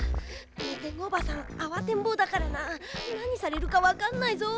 メテングおばさんあわてんぼうだからななにされるかわかんないぞ。